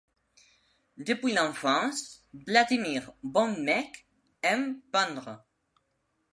Depuis l'enfance, Vladimir von Meck aime peindre.